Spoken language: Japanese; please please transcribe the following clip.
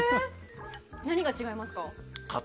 何が違いますか？